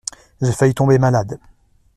J'ai failli tomber malade.